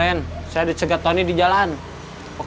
yang harus jejak sini bust truk